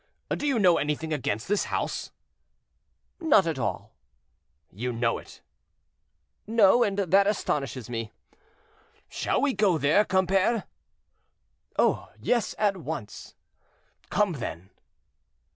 "Do you know anything against this house?" "Not at all." "You know it?" "No; and that astonishes me." "Shall we go there, compère?" "Oh! yes, at once." "Come, then."